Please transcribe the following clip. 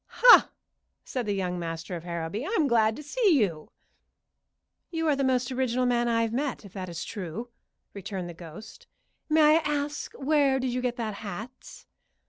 "Ha!" said the young master of Harrowby. "I'm glad to see you." "You are the most original man I've met, if that is true," returned the ghost. "May I ask where did you get that hat?"